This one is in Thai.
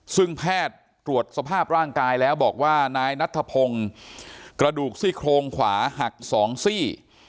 ซึ่งแพทย์ตรวจสภาพร่างกายแล้วบอกว่านายนัทธพงศ์กระดูกซี่โครงขวาหักสองซี่